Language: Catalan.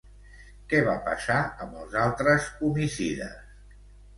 Què va passar amb els altres homicides?